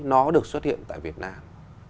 nó được xuất hiện tại việt nam